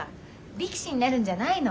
力士になるんじゃないの。